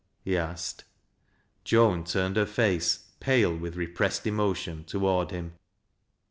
" he asked. Joan turned her face, pale with repressed emotion, toward him.